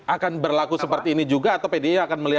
akan berlaku seperti ini juga atau pdi akan melihat